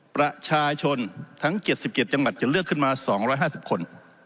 ประชาชนทั้ง๗๗จังหวัดจะเลือกขึ้นมา๒๕๐คน